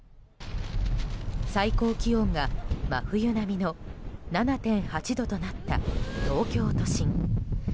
最高気温が真冬並みの７．８度となった東京都心。